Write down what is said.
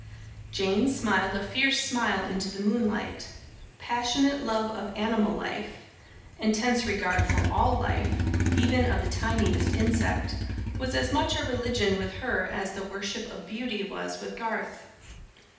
Jane smiled a fierce smile into the moonlight. Passionate love of animal life, intense regard for all life, even of the tiniest insect, was as much a religion with her as the worship of beauty was with Garth.